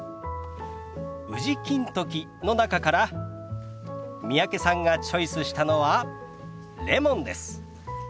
宇治金時の中から三宅さんがチョイスしたのはレモンです。